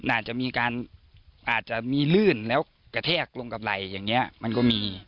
อาจจะมีการอาจจะมีลื่นแล้วกระแทกลงกับไหล่อย่างนี้มันก็มี